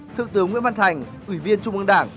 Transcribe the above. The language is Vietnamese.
thượng tướng nguyễn văn thành ủy viên trung ương đảng